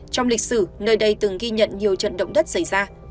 trong lịch sử nơi đây từng ghi nhận nhiều trận động đất xảy ra